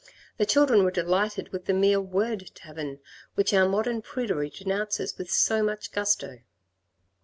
The children were delighted with the mere word tavern, which our modern prudery denounces with so much gusto.